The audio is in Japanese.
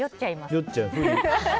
酔っちゃう。